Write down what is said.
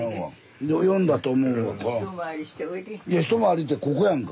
いや一回りってここやんか。